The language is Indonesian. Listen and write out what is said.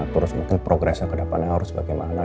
terus mungkin progresnya kedepannya harus bagaimana